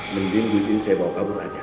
mending duit ini saya bawa kabur aja